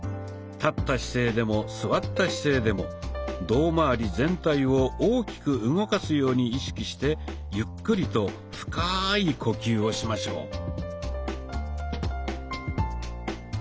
立った姿勢でも座った姿勢でも胴まわり全体を大きく動かすように意識してゆっくりと深い呼吸をしましょう。